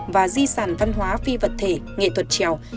và di sản văn hóa phi vật thể nghệ thuật trèo